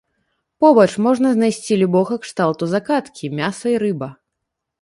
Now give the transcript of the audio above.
Побач можна знайсці любога кшталту закаткі, мяса і рыба.